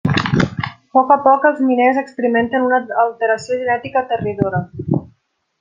A poc a poc, els miners experimenten una alteració genètica aterridora.